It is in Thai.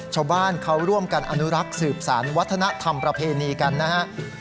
ชาวบ้านเขาร่วมกันอนุรักษ์สืบสารวัฒนธรรมประเพณีกันนะฮะ